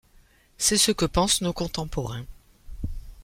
C'est ce que pensent nos contemporains.